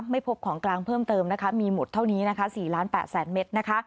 ไม่พบของกลางเพิ่มเติมมีหมดเท่านี้๔ล้าน๘แสนเมตร